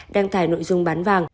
đăng tải nội dung bán vàng